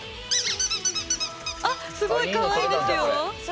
あすごいかわいいですよ。